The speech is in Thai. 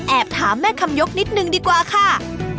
ถามแม่คำยกนิดนึงดีกว่าค่ะ